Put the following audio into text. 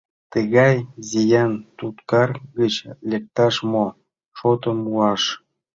Тыгай зиян-туткар гыч лекташ мо шотым муаш?